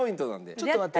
ちょっと待って。